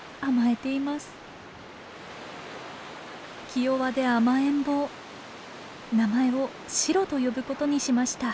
気弱で甘えん坊名前を「シロ」と呼ぶことにしました。